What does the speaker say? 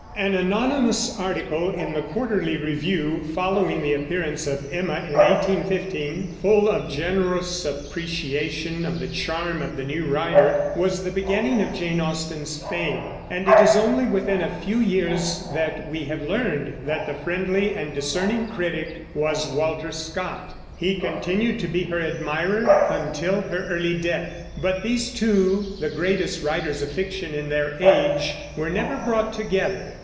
An anonymous article in the Quarterly Review, following the appearance of Emma in 1815, full of generous appreciation of the charm of the new writer, was the beginning of Jane Austen's fame; and it is only within a few years that we have learned that the friendly and discerning critic was Walter Scott. He continued to be her admirer until her early death; but these two, the greatest writers of fiction in their age, were never brought together.